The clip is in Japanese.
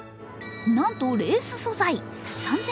なんと、レース素材。